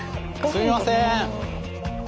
すいません